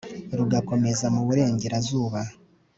rugakomeza mu burengerazuba